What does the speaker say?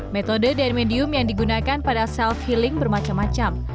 metode dan medium yang digunakan pada self healing bermacam macam